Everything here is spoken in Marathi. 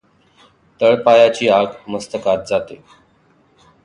तळपायाची आग मस्तकात जाते.